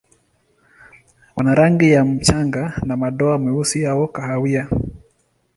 Wana rangi ya mchanga na madoa meusi au kahawia.